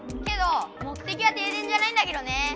けど目的はてい電じゃないんだけどね。